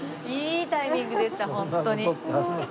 いいタイミングでしたホントに。